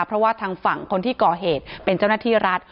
เพราะว่าทางฝั่งคนที่ก่อเหตุเป็นเจ้าหน้าที่รัฐ